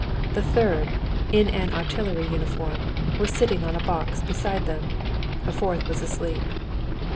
The third, in an artillery uniform, was sitting on a box beside them. A fourth was asleep.